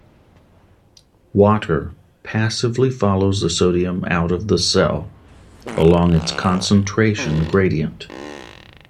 Water passively follows the sodium out of the cell along its concentration gradient.